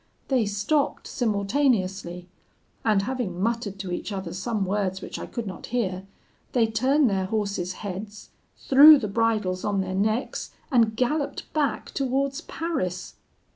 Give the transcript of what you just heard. They stopped simultaneously, and having muttered to each other some words which I could not hear, they turned their horses' heads, threw the bridles on their necks, and galloped back towards Paris.